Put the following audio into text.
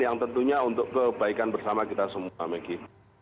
yang tentunya untuk kebaikan bersama kita semua maggie